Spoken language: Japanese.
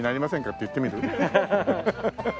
って言ってみる？